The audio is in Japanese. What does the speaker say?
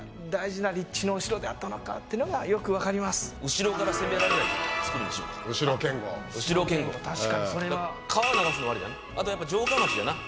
後ろから攻められない造りにしようか後堅固後堅固川流すのもありだなあとやっぱ城下町だな